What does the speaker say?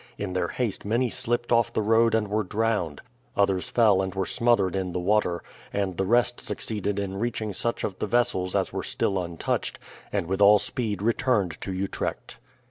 In their haste many slipped off the road and were drowned, others fell and were smothered in the water, and the rest succeeded in reaching such of the vessels as were still untouched, and with all speed returned to Utrecht.